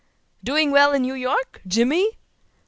"Doing well in New York, Jimmy?"